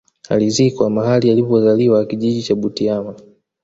Alizikwa mahali alipo zaliwa kijiji cha Butiama